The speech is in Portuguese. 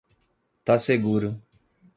Tá seguro.